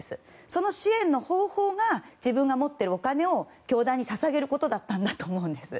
その支援の方法が自分が持っているお金を教団に捧げることだったと思うんです。